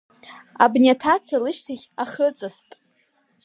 Абни аҭаца лышьҭахь ахы ыҵаст.